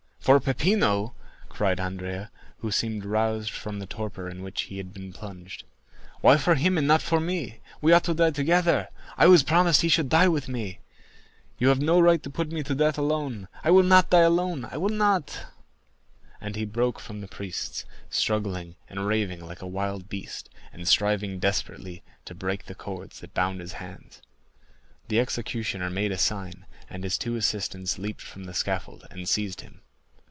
"For Peppino!" cried Andrea, who seemed roused from the torpor in which he had been plunged. "Why for him and not for me? We ought to die together. I was promised he should die with me. You have no right to put me to death alone. I will not die alone—I will not!" And he broke from the priests struggling and raving like a wild beast, and striving desperately to break the cords that bound his hands. The executioner made a sign, and his two assistants leaped from the scaffold and seized him.